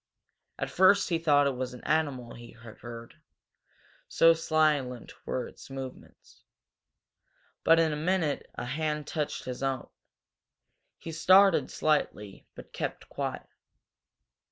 At first he thought it was an animal he had heard, so silent were its movements. But in a moment a hand touched his own. He started slightly, but kept quiet.